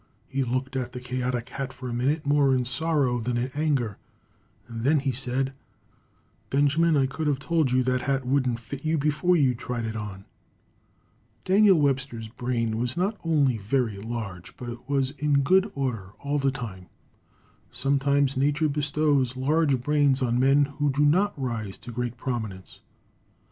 He looked at the chaotic hat for a minute, more in sorrow than in anger, and then he said: "Benjamin, I could have told you that hat wouldn't fit you before you tried it on." Daniel Webster's brain was not only very large, but it was in good order all the time. Sometimes Nature bestows large brains on men who do not rise to great prominence.